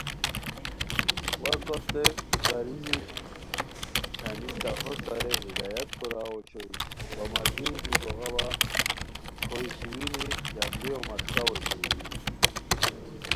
وا کوستے کاریزی چھانی تہ ہوستہ رے ہدایت کوراؤ اوشوئے وا ملگیری دی بوغاوا کھوئے سوئینی ڈبلیو مݰکاؤ اوشونی